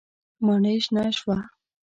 ماڼۍ شنه شوه.